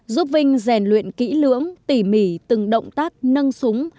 thu vinh dần luyện kỹ lưỡng tỉ mỉ từng động tác nâng súng